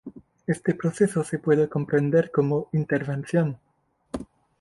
Este proceso se puede comprender como 'intervención'.